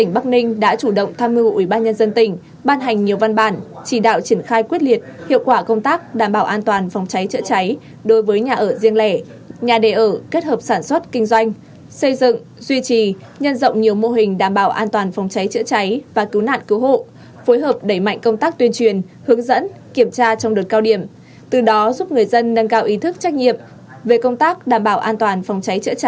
bắc ninh đã chủ động tham mưu ủy ban nhân dân tỉnh ban hành nhiều văn bản chỉ đạo triển khai quyết liệt hiệu quả công tác đảm bảo an toàn phòng cháy chữa cháy đối với nhà ở riêng lẻ nhà đề ở kết hợp sản xuất kinh doanh xây dựng duy trì nhân rộng nhiều mô hình đảm bảo an toàn phòng cháy chữa cháy và cứu nạn cứu hộ phối hợp đẩy mạnh công tác tuyên truyền hướng dẫn kiểm tra trong đợt cao điểm từ đó giúp người dân nâng cao ý thức trách nhiệm về công tác đảm bảo an toàn phòng